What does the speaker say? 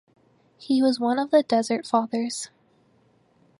He was one of the Desert Fathers.